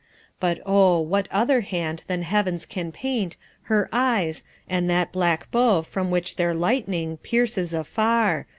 But oh, what other hand than heaven's can paint Her eyes, and that black bow from which their lightning Pierces afar!